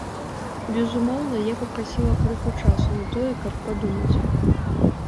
Безумоўна, я папрасіла крыху часу на тое, каб падумаць.